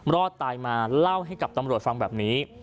รอดตายมาเล่าให้กับตำรวจฟังแบบนี้